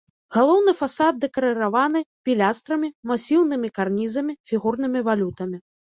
Галоўны фасад дэкарыраваны пілястрамі, масіўнымі карнізамі, фігурнымі валютамі.